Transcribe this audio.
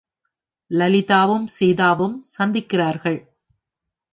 லலிதாவும் சீதாவும் சந்திக்கிறார்கள்.